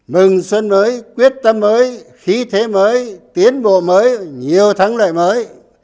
mừng xuân mới quyết tâm mới khí thế mới tiến bộ mới nhiều thắng lợi mới